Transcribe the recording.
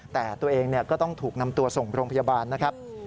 แต่ตัวเองก็ต้องถูกนำตัวส่งโรงพยาบาลนะครับ